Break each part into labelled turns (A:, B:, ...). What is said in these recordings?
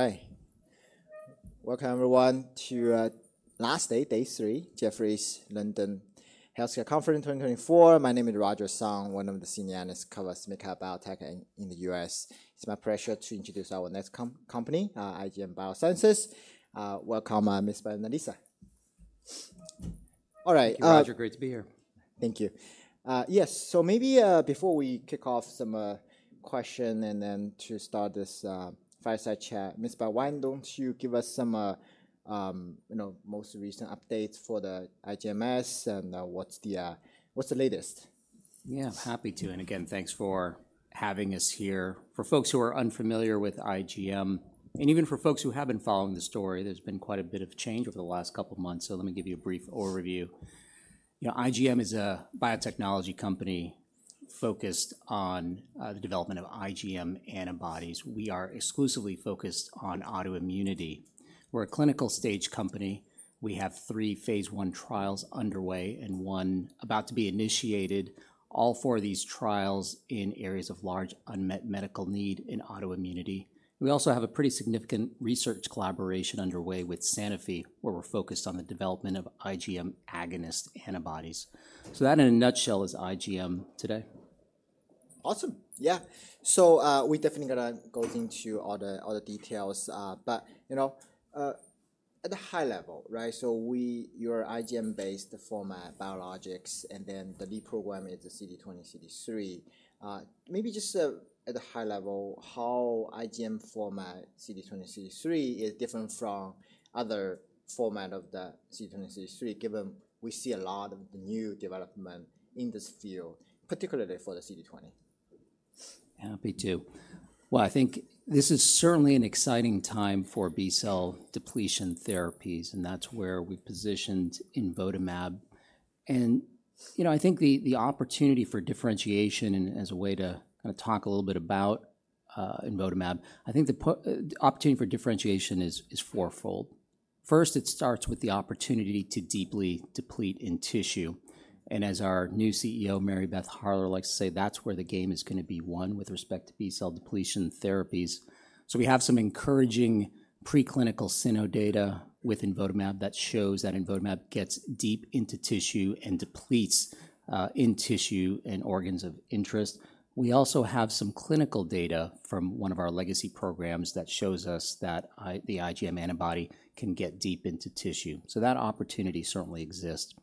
A: All right. Welcome, everyone, to the last day, day three, Jefferies London Healthcare Conference 2024. My name is Roger Song, one of the senior analysts covering medical biotech in the U.S. It's my pleasure to introduce our next company, IGM Biosciences. Welcome, Misbah and Lisa. All right.
B: Roger, great to be here.
A: Thank you. Yes, so maybe before we kick off some questions and then to start this fireside chat, Misbah, why don't you give us some most recent updates for the IGMS and what's the latest?
B: Yeah, I'm happy to. And again, thanks for having us here. For folks who are unfamiliar with IGM, and even for folks who have been following the story, there's been quite a bit of change over the last couple of months. So let me give you a brief overview. IGM is a biotechnology company focused on the development of IgM antibodies. We are exclusively focused on autoimmunity. We're a clinical stage company. We have three phase 1 trials underway and one about to be initiated. All four of these trials are in areas of large unmet medical need in autoimmunity. We also have a pretty significant research collaboration underway with Sanofi, where we're focused on the development of IgM agonist antibodies. So that, in a nutshell, is IGM today.
A: Awesome. Yeah. So we definitely got to go into all the details. But at a high level, right, so you're IGM Biosciences IgM format biologics, and then the lead program is the CD20 CD3. Maybe just at a high level, how IGM format CD20 CD3 is different from other formats of the CD20 CD3, given we see a lot of the new development in this field, particularly for the CD20?
B: Happy to. Well, I think this is certainly an exciting time for B-cell depletion therapies, and that's where we're positioned with imvotamab. And I think the opportunity for differentiation and as a way to kind of talk a little bit about imvotamab, I think the opportunity for differentiation is fourfold. First, it starts with the opportunity to deeply deplete in tissue. And as our new CEO, Mary Beth Harler, likes to say, that's where the game is going to be won with respect to B-cell depletion therapies. So we have some encouraging preclinical cyno data with imvotamab that shows that imvotamab, it gets deep into tissue and depletes in tissue and organs of interest. We also have some clinical data from one of our legacy programs that shows us that the IgM antibody can get deep into tissue. So that opportunity certainly exists.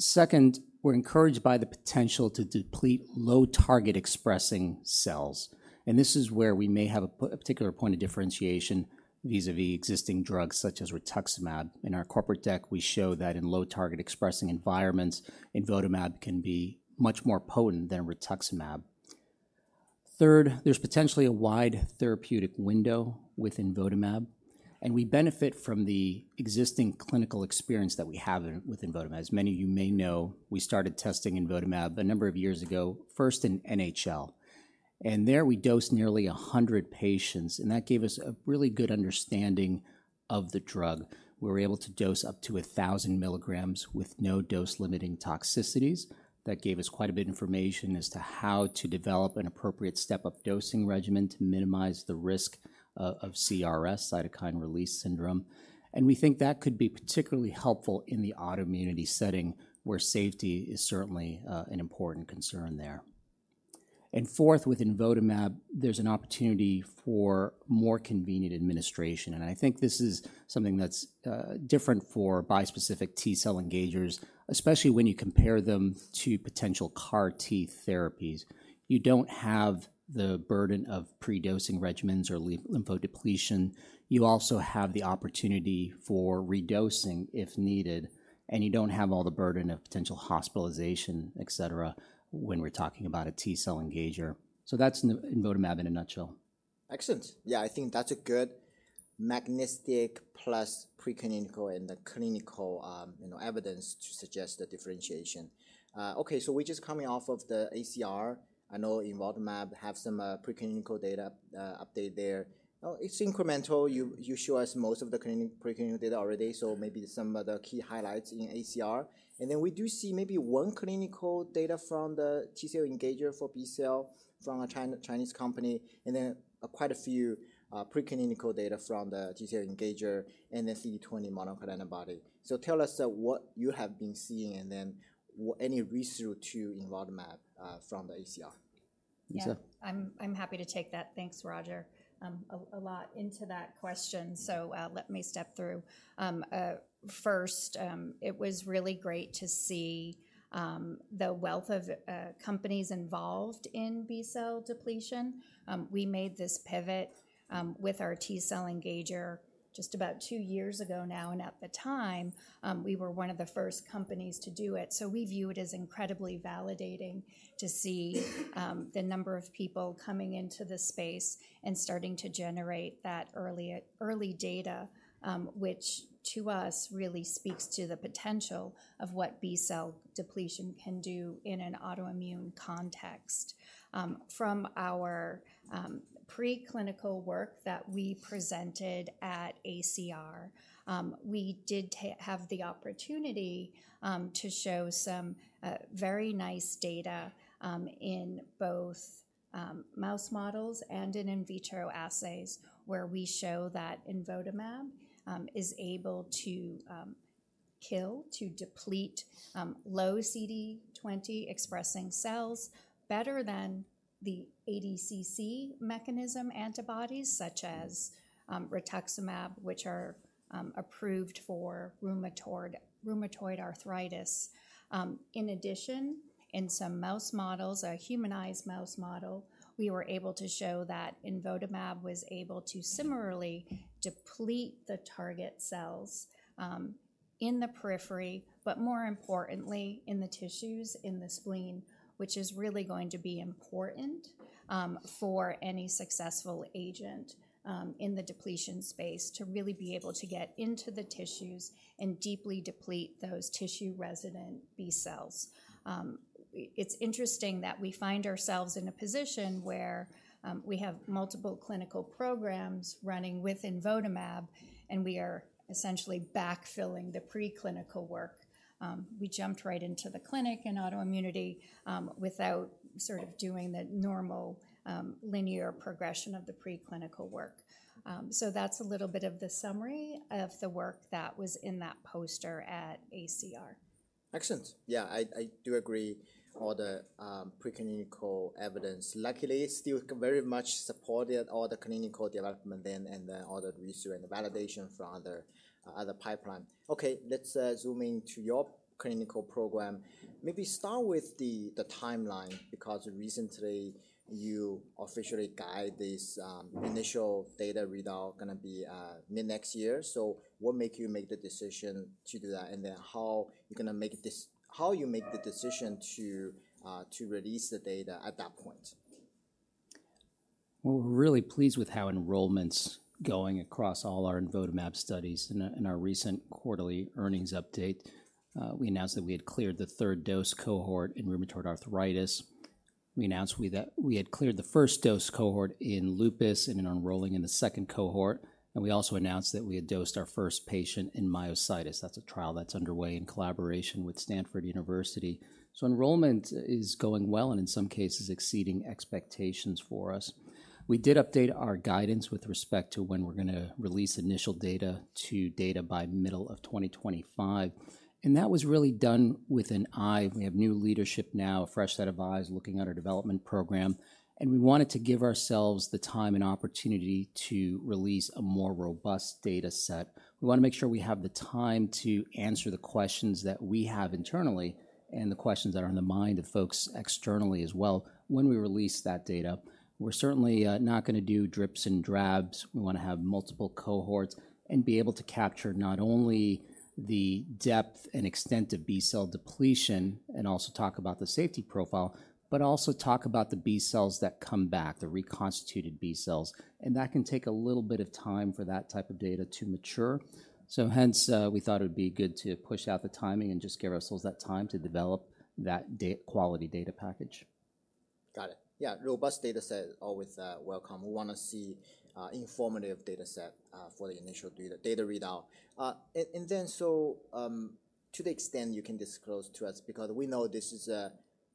B: Second, we're encouraged by the potential to deplete low-target expressing cells, and this is where we may have a particular point of differentiation vis-à-vis existing drugs such as rituximab. In our corporate deck, we show that in low-target expressing environments, imvotamab can be much more potent than rituximab. Third, there's potentially a wide therapeutic window within imvotamab, and we benefit from the existing clinical experience that we have within imvotamab. As many of you may know, we started testing imvotamab a number of years ago, first in NHL, and there we dosed nearly 100 patients, and that gave us a really good understanding of the drug. We were able to dose up to 1,000 milligrams with no dose-limiting toxicities. That gave us quite a bit of information as to how to develop an appropriate step-up dosing regimen to minimize the risk of CRS, Cytokine Release Syndrome. And we think that could be particularly helpful in the autoimmunity setting where safety is certainly an important concern there. And fourth, within imvotamab, there's an opportunity for more convenient administration. And I think this is something that's different for bispecific T-cell engagers, especially when you compare them to potential CAR T therapies. You don't have the burden of predosing regimens or lymphodepletion. You also have the opportunity for redosing if needed. And you don't have all the burden of potential hospitalization, et cetera, when we're talking about a T-cell engager. So that's in imvotamab in a nutshell.
A: Excellent. Yeah, I think that's a good magnitude of preclinical and the clinical evidence to suggest the differentiation. Okay, so we're just coming off of the ACR. I know Imvotamab has some preclinical data update there. It's incremental. You show us most of the preclinical data already. So maybe some of the key highlights in ACR. And then we do see maybe one clinical data from the T-cell engager for B-cell from a Chinese company, and then quite a few preclinical data from the T-cell engager and the CD20 monoclonal antibody. So tell us what you have been seeing and then any research too in Imvotamab from the ACR.
C: Yeah, I'm happy to take that. Thanks a lot, Roger, for that question, so let me step through. First, it was really great to see the wealth of companies involved in B-cell depletion. We made this pivot with our T-cell engager just about two years ago now, and at the time, we were one of the first companies to do it, so we view it as incredibly validating to see the number of people coming into the space and starting to generate that early data, which to us really speaks to the potential of what B-cell depletion can do in an autoimmune context. From our preclinical work that we presented at ACR, we did have the opportunity to show some very nice data in both mouse models and in vitro assays, where we show that imvotamab is able to kill, to deplete low CD20 expressing cells better than the ADCC mechanism antibodies, such as rituximab, which are approved for rheumatoid arthritis. In addition, in some mouse models, a humanized mouse model, we were able to show that imvotamab was able to similarly deplete the target cells in the periphery, but more importantly, in the tissues, in the spleen, which is really going to be important for any successful agent in the depletion space to really be able to get into the tissues and deeply deplete those tissue-resident B-cells. It's interesting that we find ourselves in a position where we have multiple clinical programs running within imvotamab, and we are essentially backfilling the preclinical work. We jumped right into the clinic in autoimmunity without sort of doing the normal linear progression of the preclinical work. So that's a little bit of the summary of the work that was in that poster at ACR.
A: Excellent. Yeah, I do agree all the preclinical evidence. Luckily, it still very much supported all the clinical development then and all the research and validation for other pipelines. Okay, let's zoom into your clinical program. Maybe start with the timeline, because recently you officially got this initial data readout going to be mid next year. So what made you make the decision to do that? And then how you make the decision to release the data at that point?
B: We're really pleased with how enrollment's going across all our imvotamab studies. In our recent quarterly earnings update, we announced that we had cleared the third dose cohort in rheumatoid arthritis. We announced we had cleared the first dose cohort in lupus and enrolling in the second cohort. We also announced that we had dosed our first patient in myositis. That's a trial that's underway in collaboration with Stanford University. Enrollment is going well and in some cases exceeding expectations for us. We did update our guidance with respect to when we're going to release initial data to data by middle of 2025. That was really done with an eye. We have new leadership now, a fresh set of eyes looking at our development program. We wanted to give ourselves the time and opportunity to release a more robust data set. We want to make sure we have the time to answer the questions that we have internally and the questions that are in the mind of folks externally as well when we release that data. We're certainly not going to do drips and drabs. We want to have multiple cohorts and be able to capture not only the depth and extent of B-cell depletion and also talk about the safety profile, but also talk about the B-cells that come back, the reconstituted B-cells, and that can take a little bit of time for that type of data to mature, so hence, we thought it would be good to push out the timing and just give ourselves that time to develop that quality data package.
A: Got it. Yeah, robust data set is always welcome. We want to see informative data set for the initial data readout. Then, so to the extent you can disclose to us, because we know this is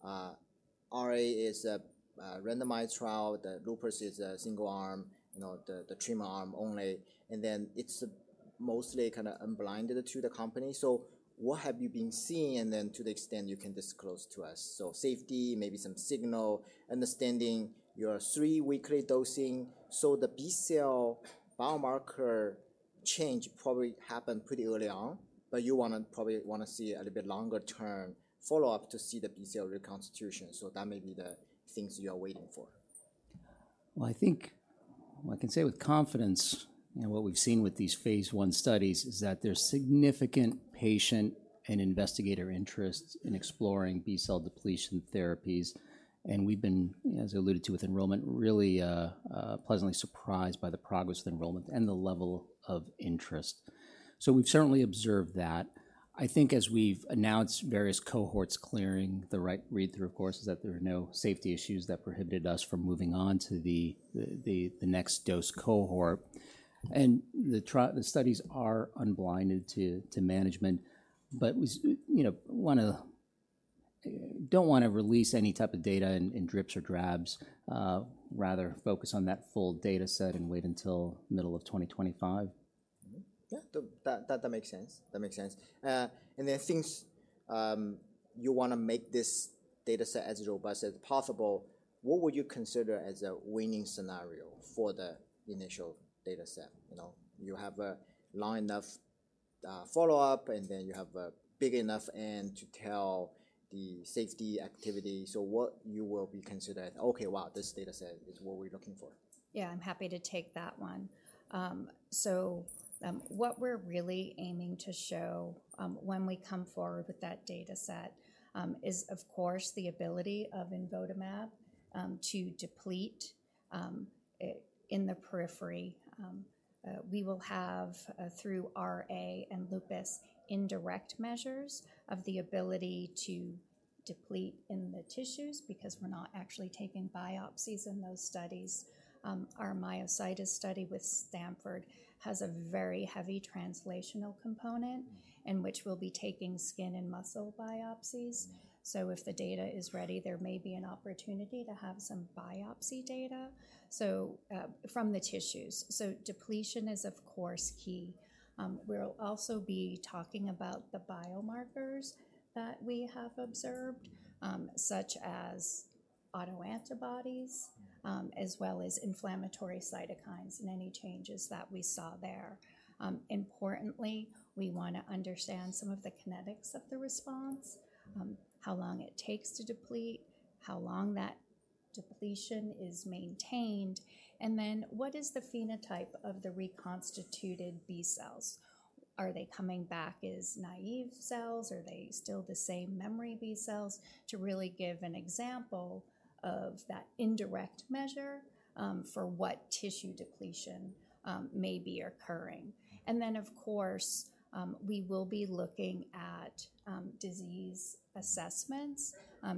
A: RA is a randomized trial, the lupus is a single arm, the treatment arm only. Then it's mostly kind of unblinded to the company. So what have you been seeing and then to the extent you can disclose to us? So safety, maybe some signal, understanding your three-weekly dosing. So the B-cell biomarker change probably happened pretty early on, but you probably want to see a little bit longer-term follow-up to see the B-cell reconstitution. So that may be the things you are waiting for.
B: I think I can say with confidence what we've seen with these phase 1 studies is that there's significant patient and investigator interest in exploring B-cell depletion therapies. We've been, as I alluded to with enrollment, really pleasantly surprised by the progress of enrollment and the level of interest. We've certainly observed that. I think as we've announced various cohorts clearing the right read-through cohorts, that there are no safety issues that prohibited us from moving on to the next dose cohort. The studies are unblinded to management, but we don't want to release any type of data in drips or drabs. Rather, we focus on that full data set and wait until middle of 2025.
A: Yeah, that makes sense. That makes sense. And then since you want to make this data set as robust as possible, what would you consider as a winning scenario for the initial data set? You have a long enough follow-up, and then you have a big enough N to tell the safety activity. So what would be considered, okay, wow, this data set is what we're looking for.
C: Yeah, I'm happy to take that one. So what we're really aiming to show when we come forward with that data set is, of course, the ability of imvotamab to deplete in the periphery. We will have through RA and lupus indirect measures of the ability to deplete in the tissues because we're not actually taking biopsies in those studies. Our myositis study with Stanford has a very heavy translational component in which we'll be taking skin and muscle biopsies. So if the data is ready, there may be an opportunity to have some biopsy data from the tissues. So depletion is, of course, key. We'll also be talking about the biomarkers that we have observed, such as autoantibodies, as well as inflammatory cytokines and any changes that we saw there. Importantly, we want to understand some of the kinetics of the response, how long it takes to deplete, how long that depletion is maintained, and then what is the phenotype of the reconstituted B-cells? Are they coming back as naive cells? Are they still the same memory B-cells? To really give an example of that indirect measure for what tissue depletion may be occurring. And then, of course, we will be looking at disease assessments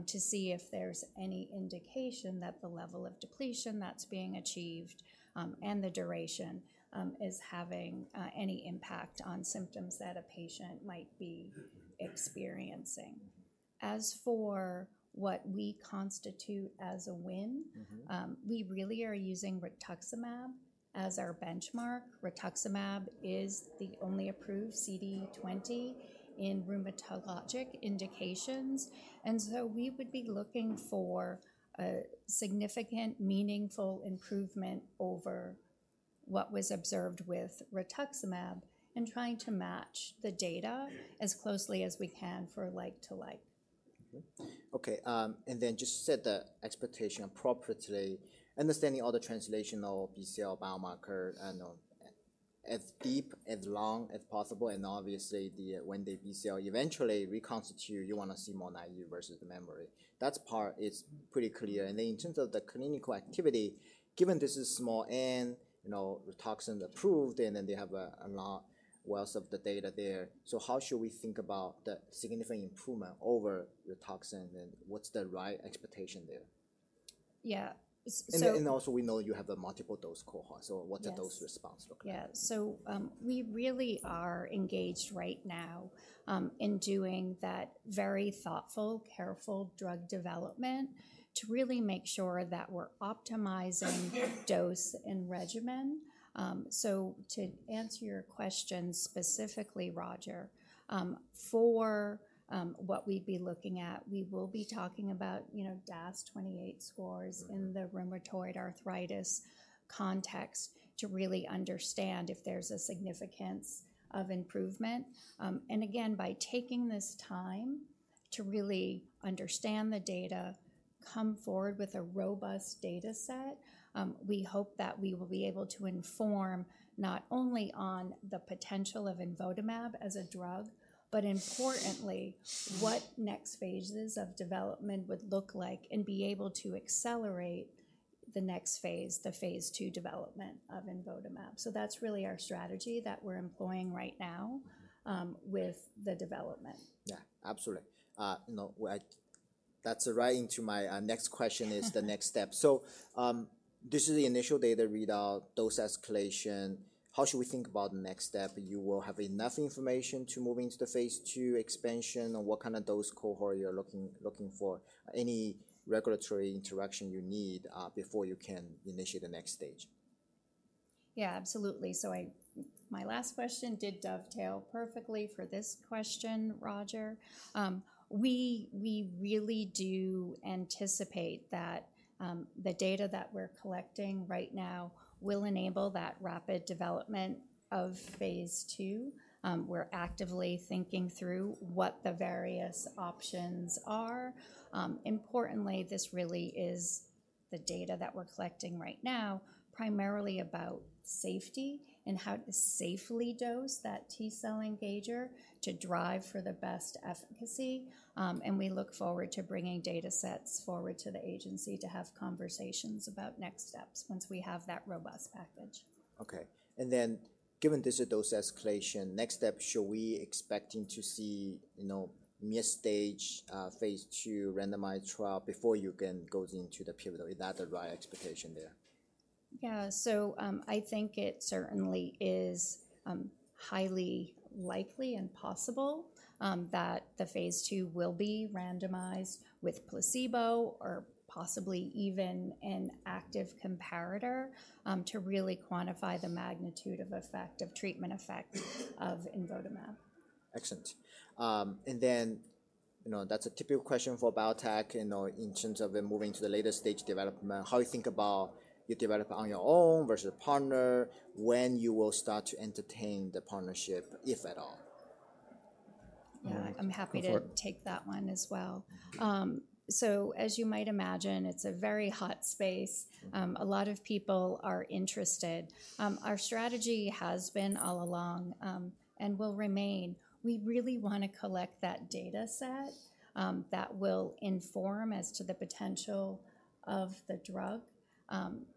C: to see if there's any indication that the level of depletion that's being achieved and the duration is having any impact on symptoms that a patient might be experiencing. As for what we constitute as a win, we really are using rituximab as our benchmark. Rituximab is the only approved CD20 in rheumatologic indications. And so we would be looking for a significant, meaningful improvement over what was observed with rituximab and trying to match the data as closely as we can for like to like.
A: Okay. And then just set the expectation appropriately, understanding all the translational B-cell biomarker as deep as possible. And obviously, when the B-cell eventually reconstitutes, you want to see more naive versus the memory. That part is pretty clear. And then in terms of the clinical activity, given this is small and rituximab approved, and then they have a wealth of the data there, so how should we think about the significant improvement over rituximab? And what's the right expectation there?
C: Yeah.
A: And also we know you have a multiple dose cohort. So what's the dose response look like?
C: Yeah. So we really are engaged right now in doing that very thoughtful, careful drug development to really make sure that we're optimizing dose and regimen. So to answer your question specifically, Roger, for what we'd be looking at, we will be talking about DAS28 scores in the rheumatoid arthritis context to really understand if there's a significance of improvement. And again, by taking this time to really understand the data, come forward with a robust data set, we hope that we will be able to inform not only on the potential of imvotamab as a drug, but importantly, what next phases of development would look like and be able to accelerate the next phase, the phase 2 development of imvotamab. So that's really our strategy that we're employing right now with the development.
A: Yeah, absolutely. That's right into my next question, the next step. So, this is the initial data readout, dose escalation. How should we think about the next step? You will have enough information to move into the phase 2 expansion? On what kind of dose cohort you're looking for? Any regulatory interaction you need before you can initiate the next stage?
C: Yeah, absolutely. So my last question did dovetail perfectly for this question, Roger. We really do anticipate that the data that we're collecting right now will enable that rapid development of phase 2. We're actively thinking through what the various options are. Importantly, this really is the data that we're collecting right now, primarily about safety and how to safely dose that T-cell engager to drive for the best efficacy. And we look forward to bringing data sets forward to the agency to have conversations about next steps once we have that robust package.
A: Okay. And then given this dose escalation, next step, should we expect to see mid stage phase 2 randomized trial before you can go into the pivotal? Is that the right expectation there?
C: Yeah. So I think it certainly is highly likely and possible that the phase 2 will be randomized with placebo or possibly even an active comparator to really quantify the magnitude of effect, of treatment effect of imvotamab.
A: Excellent. And then that's a typical question for biotech in terms of moving to the later stage development. How do you think about you develop on your own versus a partner when you will start to entertain the partnership, if at all?
C: Yeah, I'm happy to take that one as well. So as you might imagine, it's a very hot space. A lot of people are interested. Our strategy has been all along and will remain. We really want to collect that data set that will inform as to the potential of the drug.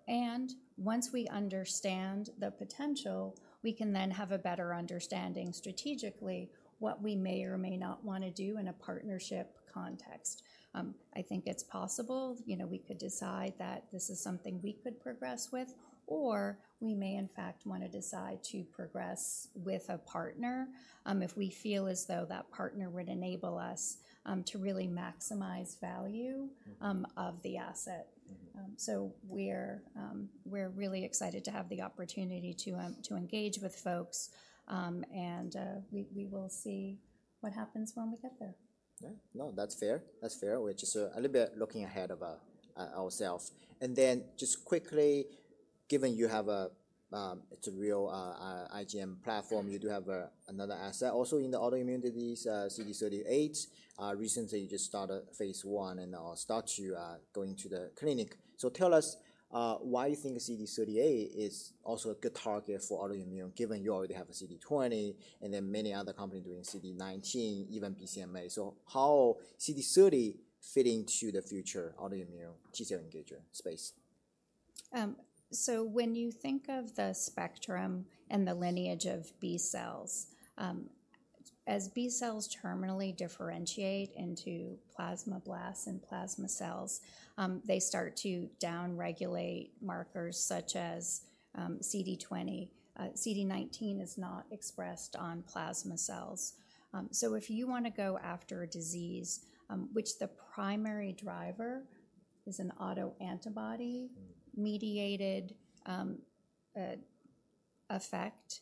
C: And once we understand the potential, we can then have a better understanding strategically what we may or may not want to do in a partnership context. I think it's possible we could decide that this is something we could progress with, or we may in fact want to decide to progress with a partner if we feel as though that partner would enable us to really maximize value of the asset. So we're really excited to have the opportunity to engage with folks. And we will see what happens when we get there.
A: Yeah. No, that's fair. That's fair. We're just a little bit looking ahead of ourselves. And then just quickly, given you have a real IGM platform, you do have another asset also in the autoimmunities, CD38. Recently, you just started phase 1 and started going to the clinic. So tell us why you think CD38 is also a good target for autoimmune, given you already have a CD20 and then many other companies doing CD19, even BCMA. So how CD3 fit into the future autoimmune T-cell engager space?
C: So when you think of the spectrum and the lineage of B-cells, as B-cells terminally differentiate into plasmablasts and plasma cells, they start to downregulate markers such as CD20. CD19 is not expressed on plasma cells. So if you want to go after a disease, which the primary driver is an autoantibody-mediated effect,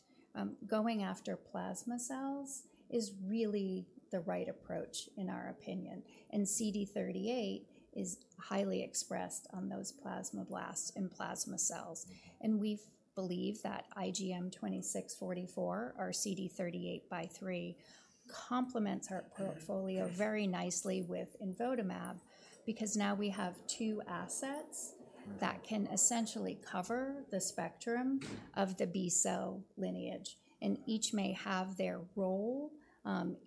C: going after plasma cells is really the right approach in our opinion. And CD38 is highly expressed on those plasmablasts and plasma cells. And we believe that IGM-2644, our CD38 x CD3, complements our portfolio very nicely with imvotamab because now we have two assets that can essentially cover the spectrum of the B-cell lineage. And each may have their role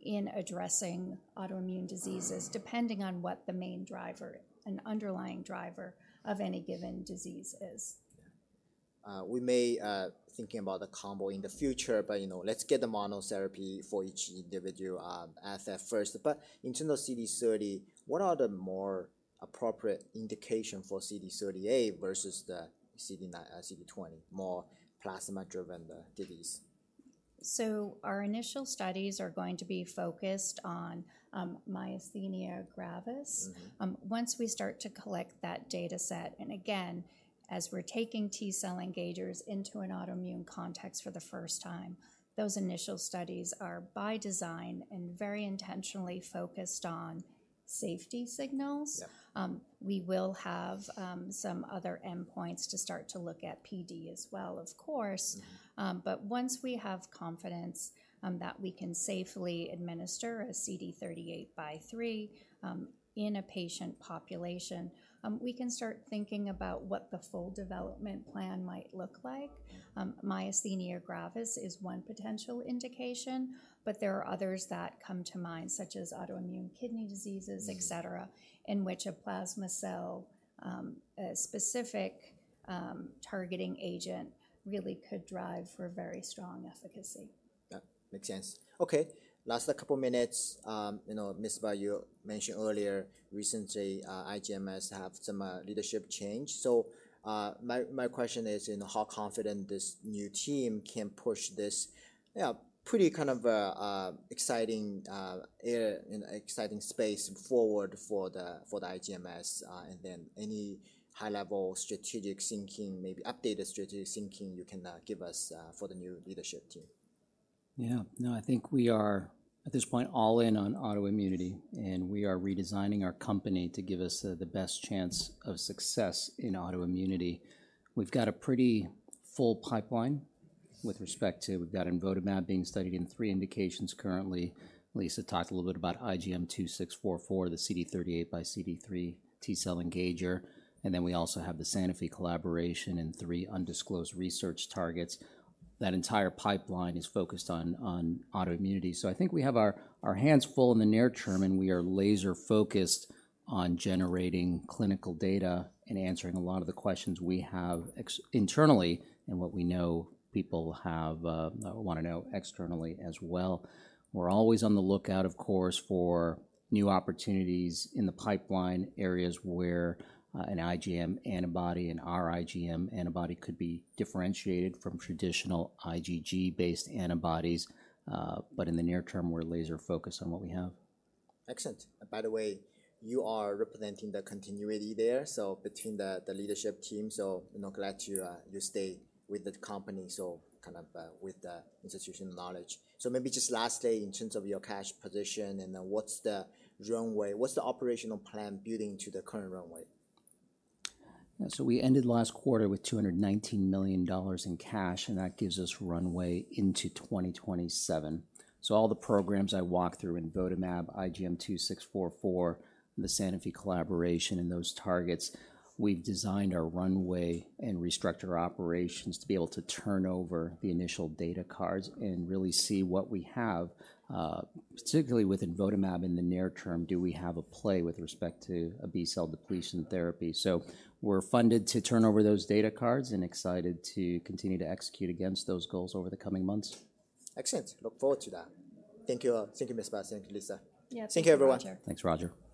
C: in addressing autoimmune diseases depending on what the main driver, an underlying driver of any given disease is.
A: We may be thinking about a combo in the future, but let's get the monotherapy for each individual asset first. But in terms of CD30, what are the more appropriate indications for CD38 versus the CD20, more plasma-driven disease?
C: Our initial studies are going to be focused on myasthenia gravis. Once we start to collect that data set, and again, as we're taking T-cell engagers into an autoimmune context for the first time, those initial studies are by design and very intentionally focused on safety signals. We will have some other endpoints to start to look at PD as well, of course. But once we have confidence that we can safely administer a CD38 x CD3 in a patient population, we can start thinking about what the full development plan might look like. Myasthenia gravis is one potential indication, but there are others that come to mind, such as autoimmune kidney diseases, et cetera, in which a plasma cell-specific targeting agent really could drive for very strong efficacy.
A: That makes sense. Okay. Last couple of minutes, Misbah, you mentioned earlier recently IGM has had some leadership change. So my question is how confident this new team can push this pretty kind of exciting space forward for the IGMs and then any high-level strategic thinking, maybe updated strategic thinking you can give us for the new leadership team?
B: Yeah. No, I think we are at this point all in on autoimmunity, and we are redesigning our company to give us the best chance of success in autoimmunity. We've got a pretty full pipeline with respect to we've got imvotamab being studied in three indications currently. Lisa talked a little bit about IGM-2644, the CD38 x CD3 T-cell engager. And then we also have the Sanofi collaboration in three undisclosed research targets. That entire pipeline is focused on autoimmunity. So I think we have our hands full in the near term, and we are laser-focused on generating clinical data and answering a lot of the questions we have internally and what we know people want to know externally as well. We're always on the lookout, of course, for new opportunities in the pipeline areas where an IgM antibody and our IgM antibody could be differentiated from traditional IgG-based antibodies, but in the near term, we're laser-focused on what we have.
A: Excellent. By the way, you are representing the continuity there, so between the leadership team. So glad you stay with the company, so kind of with the institutional knowledge. So maybe just lastly, in terms of your cash position and what's the runway, what's the operational plan building to the current runway?
B: So we ended last quarter with $219 million in cash, and that gives us runway into 2027. So all the programs I walked through in imvotamab, IGM-2644, the Sanofi collaboration and those targets, we've designed our runway and restructured our operations to be able to turn over the initial data cards and really see what we have, particularly with imvotamab in the near term, do we have a play with respect to a B-cell depletion therapy? So we're funded to turn over those data cards and excited to continue to execute against those goals over the coming months.
A: Excellent. Look forward to that. Thank you, Misbah, thank you, Lisa.
C: Yeah.
A: Thank you, everyone.
B: Thanks, Roger.